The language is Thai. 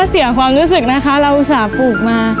เสียความรู้สึกนะคะเราอุตส่าห์ปลูกมา